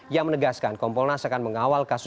ia menegaskan kompolnas akan mengawal kasus